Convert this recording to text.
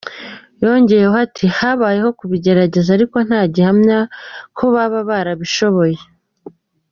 Yongeyeho ati “ Habayeho kubigerageza ariko nta gihamya ko baba barabishoboye.